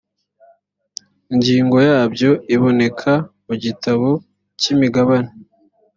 ingingo yabyo iboneka mugitabo cy imigabane